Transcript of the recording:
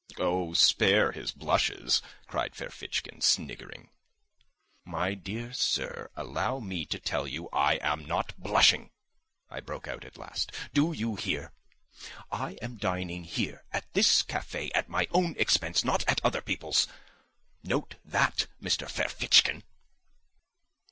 "Oh, spare his blushes," cried Ferfitchkin, sniggering. "My dear sir, allow me to tell you I am not blushing," I broke out at last; "do you hear? I am dining here, at this cafe, at my own expense, not at other people's—note that, Mr. Ferfitchkin."